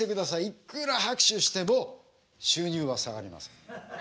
いくら拍手しても収入は下がりません。